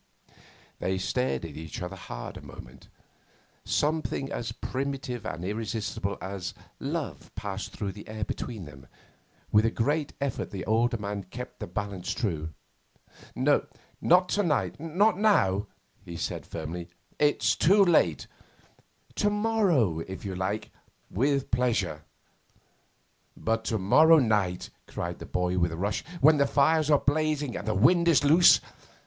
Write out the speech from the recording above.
They stared at each other hard a moment. Something as primitive and irresistible as love passed through the air between them. With a great effort the older man kept the balance true. 'Not to night, not now,' he said firmly. 'It's too late. To morrow, if you like with pleasure.' 'But to morrow night,' cried the boy with a rush, 'when the fires are blazing and the wind is loose.